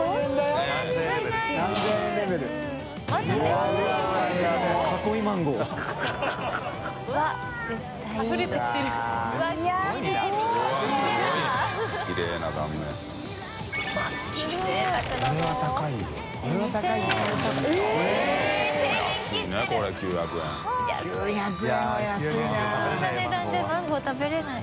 松田）こんな値段じゃあマンゴーは食べれない。